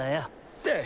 って！